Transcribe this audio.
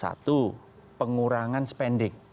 satu pengurangan spending